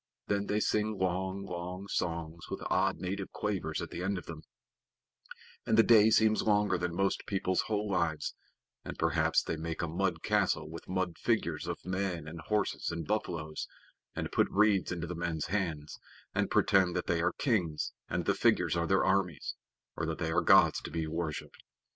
Then they sing long, long songs with odd native quavers at the end of them, and the day seems longer than most people's whole lives, and perhaps they make a mud castle with mud figures of men and horses and buffaloes, and put reeds into the men's hands, and pretend that they are kings and the figures are their armies, or that they are gods to be worshiped.